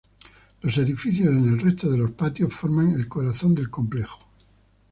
Los edificios en el resto de los patios forman el corazón del complejo.